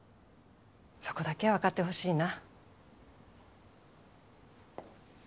そこだけは分かってほしいな。